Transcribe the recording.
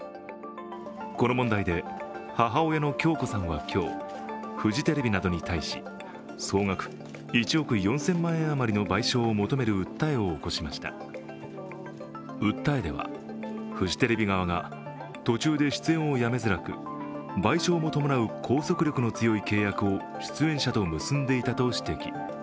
この問題で母親の響子さんは今日、フジテレビなどに対し総額１億４０００万円余りの賠償を求める訴えを起こしました訴えでは、フジテレビ側が途中で出演をやめづらく賠償も伴う拘束力の強い契約を出演者と結んでいたと指摘。